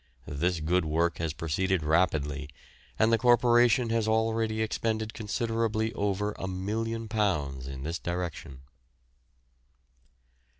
This good work has proceeded rapidly, and the Corporation has already expended considerably over £1,000,000 in this direction.